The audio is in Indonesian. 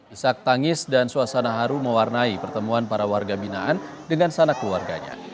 isak tangis dan suasana haru mewarnai pertemuan para warga binaan dengan sanak keluarganya